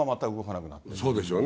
そうでしょうね。